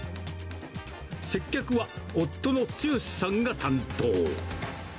接客は夫の剛さんが担当。